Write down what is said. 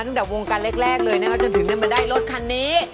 ตั้งแต่วงการแรกเลยนะคะจนถึงมาได้รถคันนี้